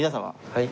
はい。